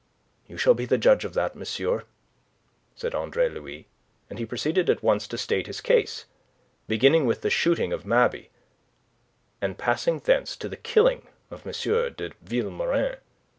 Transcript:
"You shall be the judge of that, monsieur," said Andre Louis, and he proceeded at once to state his case, beginning with the shooting of Mabey, and passing thence to the killing of M. de Vilmorin.